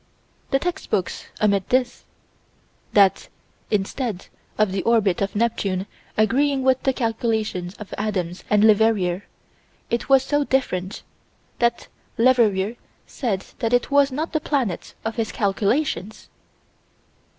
The text books omit this: That, instead of the orbit of Neptune agreeing with the calculations of Adams and Leverrier, it was so different that Leverrier said that it was not the planet of his calculations.